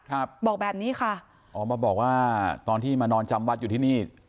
ครับบอกแบบนี้ค่ะอ๋อมาบอกว่าตอนที่มานอนจำวัดอยู่ที่นี่